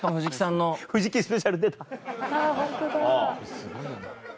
すごいな。